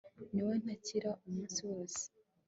ni wowe ntakira umunsi wose